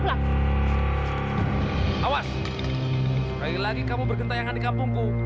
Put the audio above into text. awas lagi kamu berkentang di kampungku